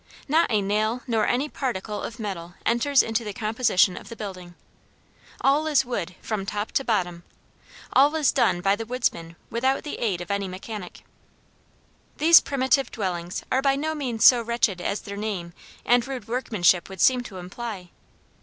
Not a nail nor any particle of metal enters into the composition of the building all is wood from top to bottom, all is done by the woodsman without the aid of any mechanic. These primitive dwellings are by no means so wretched as their name and rude workmanship would seem to imply.